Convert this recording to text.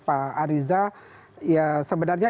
pak ariza ya sebenarnya